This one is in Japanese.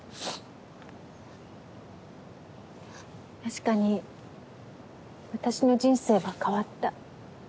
確かに私の人生は変わった。